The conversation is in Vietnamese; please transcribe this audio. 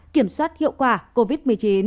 kiểm soát hiệu quả covid một mươi chín